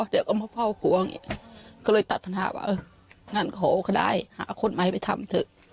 เดี๋ยวก็มาเฝ้าขัวอังงได้หาคนใหม่ไปทำ